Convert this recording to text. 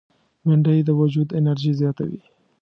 بېنډۍ د وجود انرژي زیاتوي